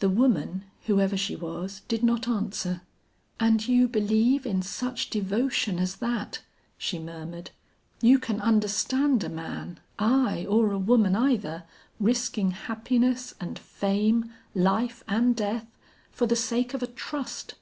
The woman, whoever she was, did not answer. "And you believe in such devotion as that!" she murmured. "You can understand a man, aye, or a woman either, risking happiness and fame, life and death, for the sake of a trust!